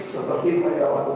sampai tiga tahun